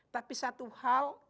tapi satu hal